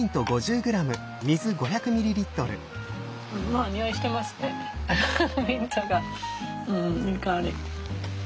うんいい香り。